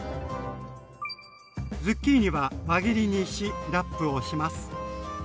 ズッキーニは輪切りにしラップをします。